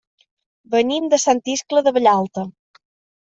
Venim de Sant Iscle de Vallalta.